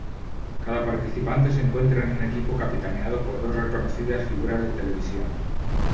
Cada participante se encuentra en un equipo capitaneado por dos reconocidas figuras de televisión.